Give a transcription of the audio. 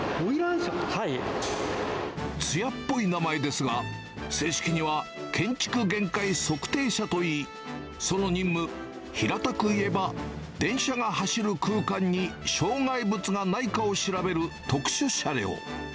つやっぽい名前ですが、正式には建築限界測定車といい、その任務、平たくいえば、電車が走る空間に障害物がないかを調べる特殊車両。